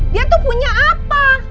dia tuh punya apa